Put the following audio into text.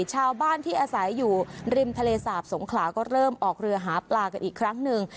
ชาวบ้านที่อาศัยอยู่ริมทะเลสาบสงขลาก็เริ่มออกเรือหาปลากันอีกครั้งหนึ่ง